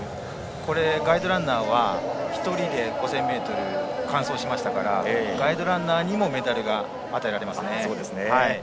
これガイドランナーは１人で５０００ｍを完走しましたからガイドランナーにもメダルが与えられますね。